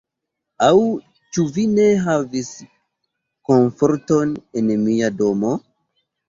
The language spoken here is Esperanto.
Aŭ ĉu vi ne havis komforton en mia domo?